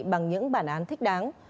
bằng những bản án thích đáng